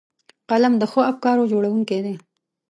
قلم د ښو افکارو جوړوونکی دی